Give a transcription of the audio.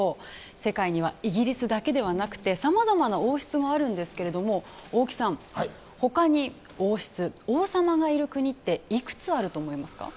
世界にはイギリスだけではなくてさまざまな王室があるんですが大木さん、他に王室王様がいる国っていくつあると思いますか？